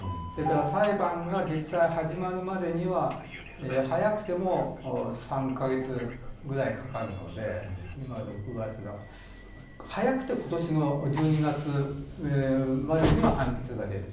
裁判が実際に始まるまでには早くても３カ月ぐらいかかるので早くて今年の１２月までには判決が出る。